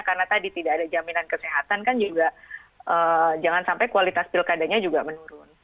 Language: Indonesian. karena tadi tidak ada jaminan kesehatan kan juga jangan sampai kualitas pilkadanya juga menurun